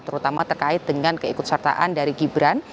terutama terkait dengan keikutsertaan dari gibran